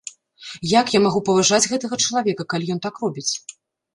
Як я магу паважаць гэтага чалавека, калі ён так робіць?